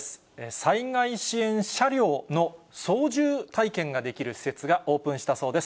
災害支援車両の操縦体験ができる施設がオープンしたそうです。